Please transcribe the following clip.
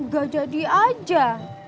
gak jadi aja